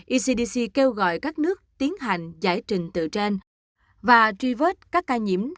ecdc kêu gọi các nước tiến hành giải trình tựa trên và tri vết các ca nhiễm